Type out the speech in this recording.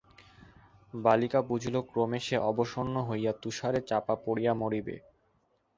বালিকা বুঝিল ক্রমে সে অবসন্ন হইয়া তুষারে চাপা পড়িয়া মরিবে।